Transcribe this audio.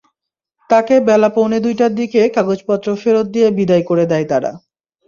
তাঁকে বেলা পৌনে দুইটার দিকে কাগজপত্র ফেরত দিয়ে বিদায় করে দেয় তারা।